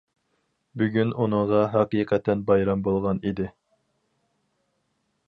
بۈگۈن ئۇنىڭغا ھەقىقەتەن بايرام بولغان ئىدى.